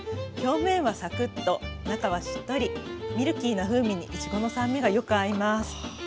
表面はサクッと中はしっとりミルキーな風味にいちごの酸味がよく合います。